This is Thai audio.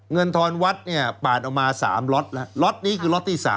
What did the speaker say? เงินทรวัตรปาดออกมา๓ล็อตล็อตนี้คือล็อตที่๓